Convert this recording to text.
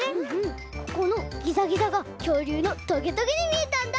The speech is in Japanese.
ここのギザギザがきょうりゅうのトゲトゲにみえたんだ！